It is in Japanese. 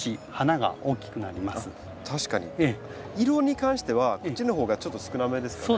色に関してはこっちの方がちょっと少なめですかね。